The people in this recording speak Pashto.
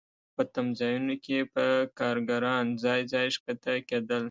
په تمځایونو کې به کارګران ځای ځای ښکته کېدل